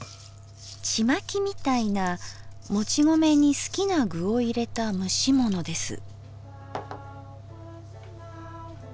ちまきみたいなもち米に好きな具を入れた蒸し物です